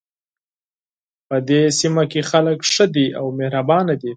په دې سیمه کې خلک ښه دي او مهربانه دي